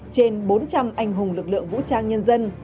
trên bốn trăm linh anh hùng lực lượng vũ trang nhân dân